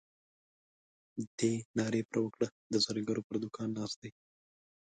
دې ناره پر وکړه د زرګر پر دوکان ناست دی.